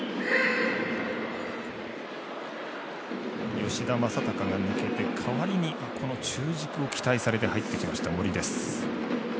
吉田正尚が抜けて代わりに中軸を期待されて入ってきました森です。